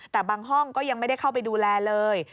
แต่บางห้องก็ยังไม่ได้เข้าไปดูแลเลย